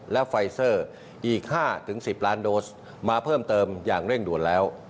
และไฟเซอร์อีก๕๑๐ล้านโดสมาเพิ่มเติมอย่างเร่งด่วนแล้ว